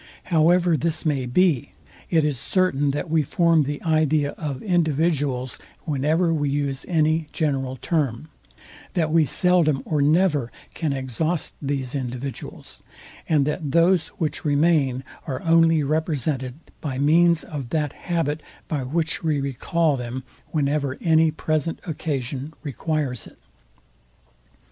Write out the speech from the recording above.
However this may be, it is certain that we form the idea of individuals, whenever we use any general term; that we seldom or never can exhaust these individuals; and that those, which remain, are only represented by means of that habit, by which we recall them, whenever any present occasion requires it.